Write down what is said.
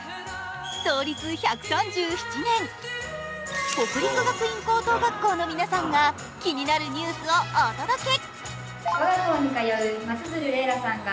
創立１３７年、北陸学院高等学校の皆さんが気になるニュースをお届け。